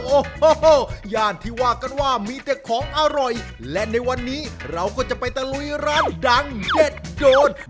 โอ้โหย่านที่ว่ากันว่ามีแต่ของอร่อยและในวันนี้เราก็จะไปตะลุยร้านดังเด็ดโดน